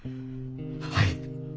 はい。